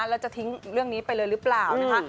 แล้วจะทิ้งเรื่องนี้ไปเลยหรือเปล่านะคะ